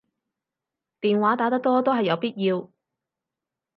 電話打得多都係有必要